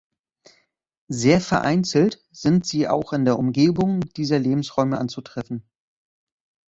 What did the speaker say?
Sehr vereinzelt sind sie auch in der Umgebung dieser Lebensräume anzutreffen.